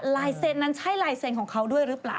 ลายเซ็นนั้นใช่ลายเซ็นต์ของเขาด้วยหรือเปล่า